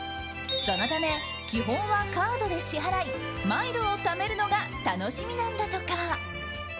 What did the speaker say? そのため、基本はカードで支払いマイルをためるのが楽しみなんだとか。